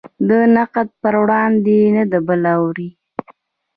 د نقد پر وړاندې نه د بل اوري.